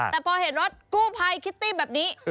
แต่พอเห็นรถกู้ภัยคิตตี้แบบนี้